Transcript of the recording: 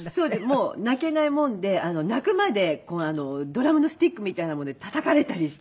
もう泣けないもんで泣くまでドラムのスティックみたいなもので叩かれたりして。